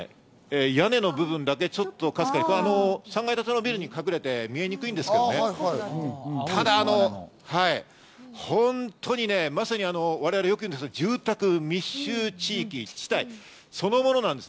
屋根の部分だけ、ちょっとかすかに３階建てのビルに隠れて見えにくいんですけど、ただ本当に我々よく言うんですけど、住宅密集地域そのものなんです。